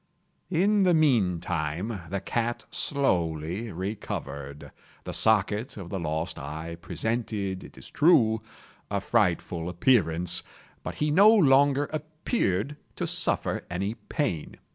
In the meantime the cat slowly recovered. The socket of the lost eye presented, it is true, a frightful appearance, but he no longer appeared to suffer any pain.